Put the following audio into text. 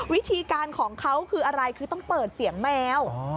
วิธีการของเขาคืออะไรคือต้องเปิดเสียงแมว